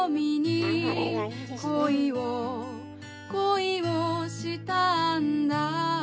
「恋をしたんだ」